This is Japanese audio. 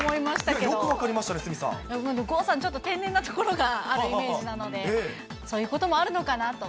よく分かりましたね、鷲見さ郷さん、ちょっと天然なところがあるイメージなので、そういうこともあるのかなと。